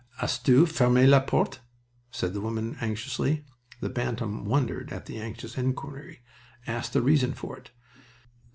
"As tu ferme la porte?" said the old woman, anxiously. The Bantam wondered at the anxious inquiry; asked the reason of it.